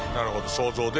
想像で。